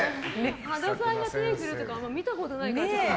羽田さんが手を振るとか見たことないから。